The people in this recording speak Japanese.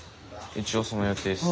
一応その予定っす。